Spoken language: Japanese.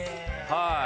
はい。